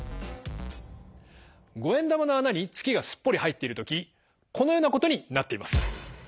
５円玉の穴に月がすっぽり入っている時このようなことになっています。